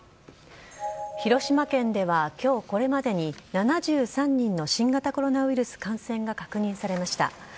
広島県ではきょうこれまでに、７３人の新型コロナウイルス感染が確認されました。